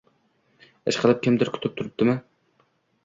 - Ishqilib, kimdir kutib turibdimi?